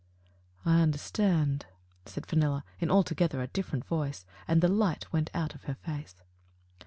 "I understand," said Fenella, in altogether a different voice, and the light went out of her face.